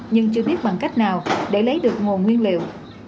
nhưng chưa biết bằng cách nào để lấy được nguồn nguyên liệu